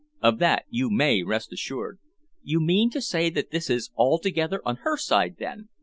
Of that you may rest assured." "You mean to say that this is altogether on her side, then?"